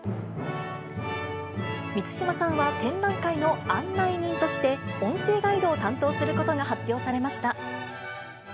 満島さんは展覧会の案内人として、音声ガイドを担当することが発表されました。